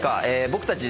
僕たち